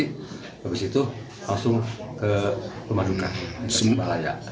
habis itu langsung ke rumah duka tasik malaya